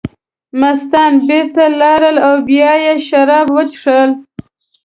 مستان بېرته لاړل او بیا یې شراب وڅښل.